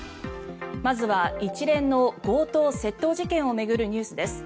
まずは一連の強盗・窃盗事件を巡るニュースです。